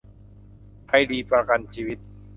ไทยรีประกันชีวิต